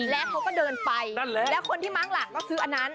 แล้วเขาก็เดินไปแล้วคนที่มั้งหลังก็ซื้ออันนั้น